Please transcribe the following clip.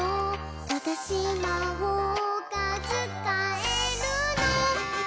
「わたしまほうがつかえるの！」